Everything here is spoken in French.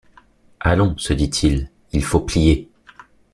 Allons, se dit-il, il faut plier